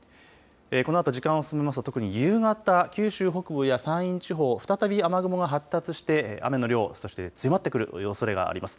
このあと時間を進めますと特に夕方、九州北部や山陰地方、再び雨雲が発達して雨の量、そして強まってくるおそれがあります。